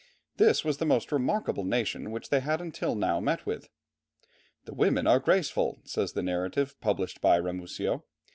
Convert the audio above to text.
This was the most remarkable nation which they had until now met with. "The women are graceful," says the narrative published by Ramusio.